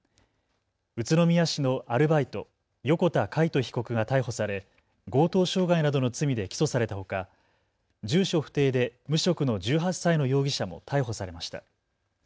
宇都宮市のアルバイト、横田魁人被告が逮捕され、強盗傷害などの罪で起訴されたほか住所不定で無職の１８歳の容疑者も逮捕されました。